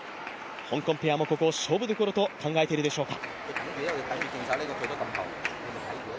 香港ペアもここを勝負どころと考えているでしょうか。